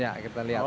ya kita lihat